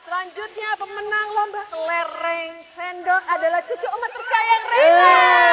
selanjutnya pemenang lomba kelereng sendok adalah cucu oma terkayang rena